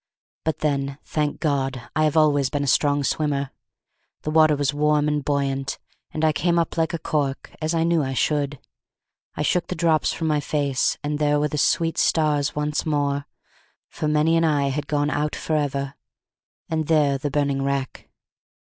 But then, thank God, I have always been a strong swimmer. The water was warm and buoyant, and I came up like a cork, as I knew I should. I shook the drops from my face, and there were the sweet stars once more; for many an eye they had gone Out for ever; and there the burning wreck.